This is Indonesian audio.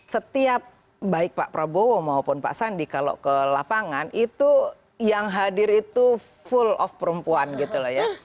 setiap baik pak prabowo maupun pak sandi kalau ke lapangan itu yang hadir itu full of perempuan gitu loh ya